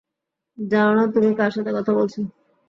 জানো না তুমি কার সাথে কথা বলছো?